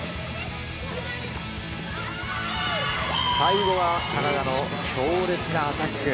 最後はカナダの強烈なアタック。